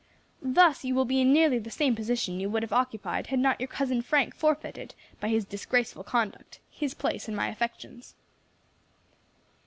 Thus you will be in nearly the same position you would have occupied had not your cousin Frank forfeited, by his disgraceful conduct, his place in my affections."